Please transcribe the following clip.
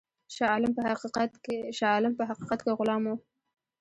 شاه عالم په حقیقت کې غلام وو.